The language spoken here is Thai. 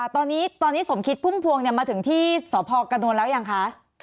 ตอนนี้สมคิดพุ่มพวงมาถึงที่สพกระนวลแล้วยังคะ